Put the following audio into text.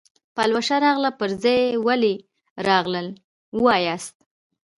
پلوشه راغله پر ځای ولې راغلل وایاست.